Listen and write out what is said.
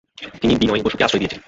তিনি বিনয় বসুকে আশ্রয় দিয়েছিলেন।